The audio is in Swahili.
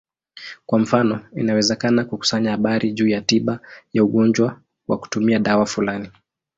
Kwa mfano, inawezekana kukusanya habari juu ya tiba ya ugonjwa kwa kutumia dawa fulani.